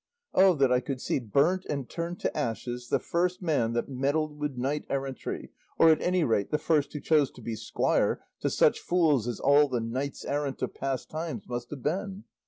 Oh that I could see burnt and turned to ashes the first man that meddled with knight errantry or at any rate the first who chose to be squire to such fools as all the knights errant of past times must have been!